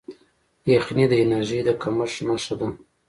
یخني د انرژۍ د کمښت نښه ده.